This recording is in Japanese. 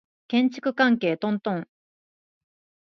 建築関係トントン